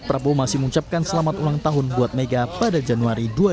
prabowo masih mengucapkan selamat ulang tahun buat mega pada januari dua ribu dua puluh